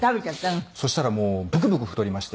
そしたらもうブクブク太りまして。